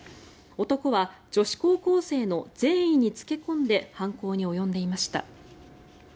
男は女子高校生の善意に付け込んで犯行に及んでいました。